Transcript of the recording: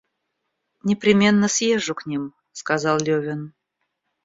Непременно съезжу к ним, — сказал Левин.